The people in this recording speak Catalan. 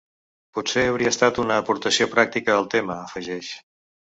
Potser hauria estat una aportació pràctica al tema, afegeix.